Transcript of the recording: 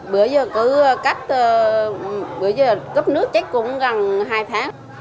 bữa giờ cấp nước chết cũng gần hai tháng